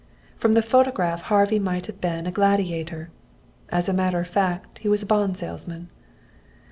From the photograph Harvey might have been a gladiator; as a matter of fact he was a bond salesman.